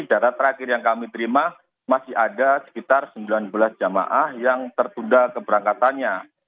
data terakhir yang kami terima masih ada sekitar sembilan belas jamaah yang tertunda keberangkatannya